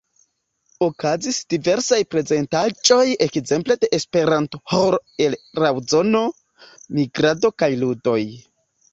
Okazis diversaj prezentaĵoj ekzemple de esperanto-ĥoro el Laŭzano, migrado kaj ludoj.